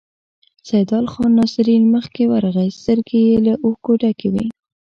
سيدال خان ناصري مخکې ورغی، سترګې يې له اوښکو ډکې وې.